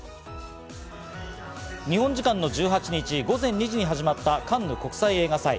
日本時間の１８日午前２時に始まったカンヌ国際映画祭。